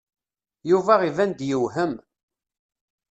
Yuba iban-d yewhem.